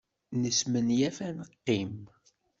Nesmenyaf ad neqqim.